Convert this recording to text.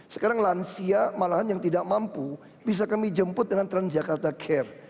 sekarang lansia malahan yang tidak mampu bisa kami jemput dengan transjakarta care